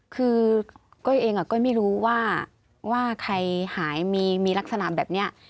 คือก้อยเองก้อยไม่รู้ว่าใครหายมีลักษณะแบบนี้